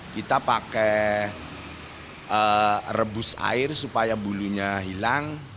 kita pakai rebus air supaya bulunya hilang